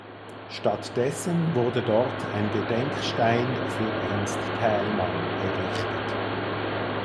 Stattdessen wurde dort ein Gedenkstein für Ernst Thälmann errichtet.